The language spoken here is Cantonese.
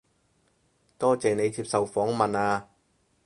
多謝你接受訪問啊